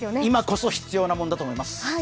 今こそ必要なものだと思います。